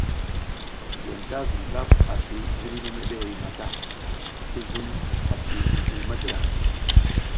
Yanta zun daf ati ziriy memede mata, i zum a ti mizli madidahay.